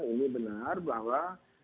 ini benar bahwa